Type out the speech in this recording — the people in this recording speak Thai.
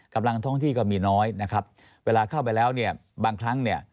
กำลังท้องที่ก็มีน้อยนะครับเวลาเข้าไปแล้วเนี่ยบางครั้งเนี่ย